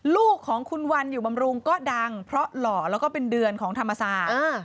ลูกของคุณวันอยู่บำรุงก็ดังเพราะหล่อแล้วก็เป็นเดือนของธรรมศาสตร์